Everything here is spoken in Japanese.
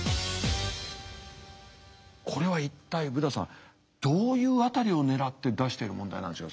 これは一体ブダさんどういう辺りをねらって出してる問題なんでしょう？